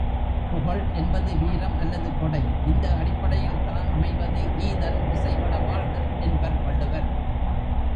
புகழ் என்பது வீரம் அல்லது கொடை இந்த அடிப்படையில்தான் அமைவது ஈதல் இசைபட வாழ்தல் என்பர் வள்ளுவர்.